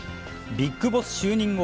ビッグボス就任後